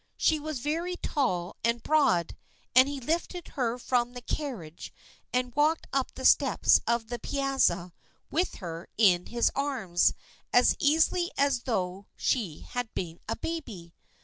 He was very tall and broad, and he lifted her from the carriage and walked up the steps of the piazza with her in his arms as easily as though she had been a baby.